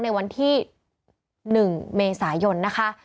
ในวันที่๑เมษายนนะคะ